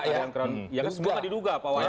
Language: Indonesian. ya kan semua tidak diduga pak waya